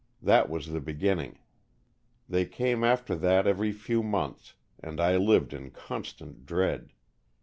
That was the beginning. They came after that every few months, and I lived in constant dread.